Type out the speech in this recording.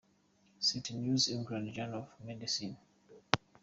Src: New England Journal of medecine.